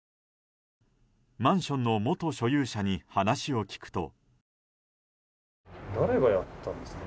マンションの元所有者に話を聞くと。